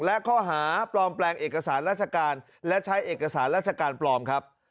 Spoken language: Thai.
และข้อหาปลอมแปลงเอกสารราชการและใช้เอกสารราชการปลอมครับ